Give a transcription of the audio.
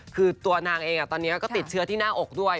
คือตัวนางเองตอนนี้ก็ติดเชื้อที่หน้าอกด้วย